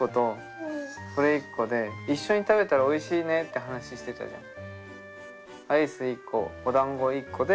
一緒に食べたらおいしいねって話してたじゃん？